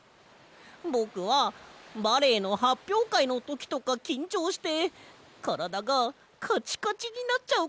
ぼくはバレエのはっぴょうかいのときとかきんちょうしてからだがカチカチになっちゃうことがあるんだ！